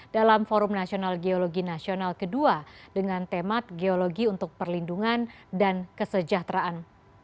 dalam forum nasional geologi nasional kedua dengan temat geologi untuk perlindungan dan kesejahteraan